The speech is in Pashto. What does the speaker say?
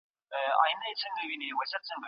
سرمایه داري نظام یوازي د څو محدودو کسانو په ګټه دی.